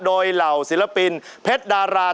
โดยเหล่าศิลปินเพชรดารา